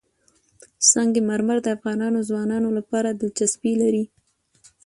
سنگ مرمر د افغان ځوانانو لپاره دلچسپي لري.